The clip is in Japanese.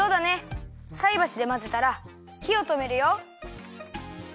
さいばしでまぜたらひをとめるよ。